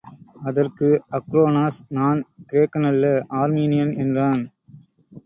அதற்கு அக்ரோனோஸ், நான் கிரேக்கனல்ல ஆர்மீனியன் என்றான்.